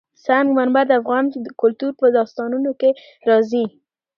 سنگ مرمر د افغان کلتور په داستانونو کې راځي.